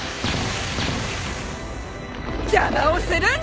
邪魔をするんじゃない！